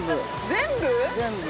◆全部。